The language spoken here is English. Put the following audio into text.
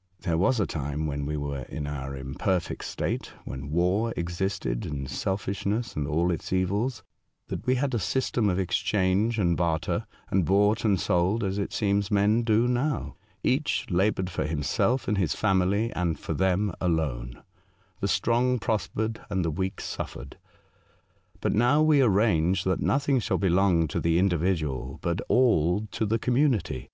'* There was a time, when we were in our imperfect state, when war existed, and selfish ness and all its evils, that we had a system of exchange and barter, and bought and sold, as it seems men do now. Each laboured for him self and his family, and for them alone. The strong prospered, and the weak suffered. But now we arrange that nothing shall belong to the individual, but all to the community.